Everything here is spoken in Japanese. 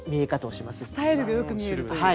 スタイルがよく見えるという。